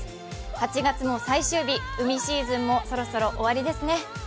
８月の最終日海シーズンもそろそろ終わりですね。